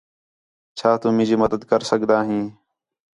چَھا تُُو مینجی مدد کر سڳدا ہیں؟